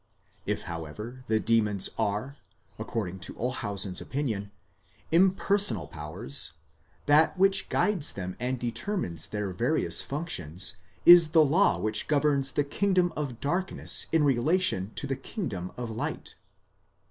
If, however, the demons are, according to Olshausen's opinion, impersonal powers, that which guides them and determines their various functions is the law which governs the kingdom of darkness in relation to the kingdom of light.